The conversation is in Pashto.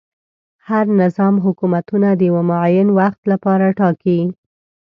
هر نظام حکومتونه د یوه معین وخت لپاره ټاکي.